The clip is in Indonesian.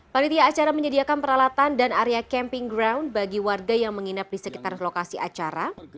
panitia acara menyediakan peralatan dan area camping ground bagi warga yang menginap di sekitar lokasi acara